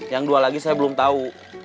yang dua lagi saya belum tahu